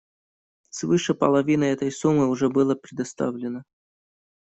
Свыше половины этой суммы уже было предоставлено.